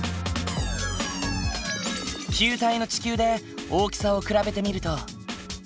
球体の地球で大きさを比べてみると。